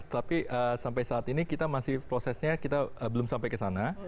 tapi sampai saat ini kita masih prosesnya kita belum sampai ke sana